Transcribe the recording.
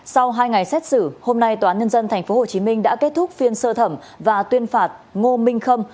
sau hai ngày xét xử hôm nay tòa án nhân dân tp hcm đã kết thúc phiên sơ thẩm và tuyên phạt ngô minh khâm